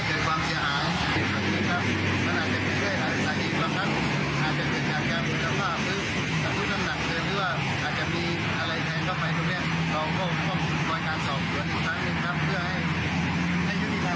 เพื่อให้ยุติธรรม